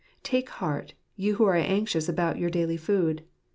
Take heart, you who are anxious about your daily food.